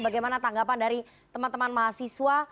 bagaimana tanggapan dari teman teman mahasiswa